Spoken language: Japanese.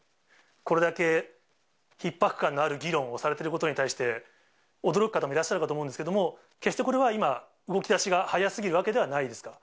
これだけひっ迫感のある議論をされてることに対して、驚く方もいらっしゃるかと思うんですけれども、決してこれは今、動きだしが早すぎるわけではないですか？